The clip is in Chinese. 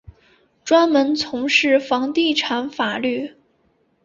专门从事房地产法律。